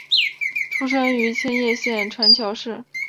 出身于千叶县船桥市。